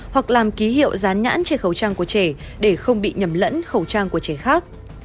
hoặc làm ký hiệu rán nhãn trên khẩu trang của trẻ để không bị nhầm lẫn khẩu trang của trẻ khác